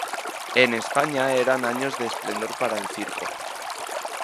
En España eran años de esplendor para el circo.